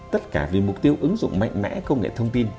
tất cả vì mục tiêu ứng dụng mạnh mẽ công nghệ thông tin